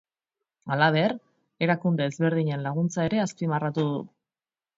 Halaber, erakunde ezberdinen laguntza ere azpimarratu du.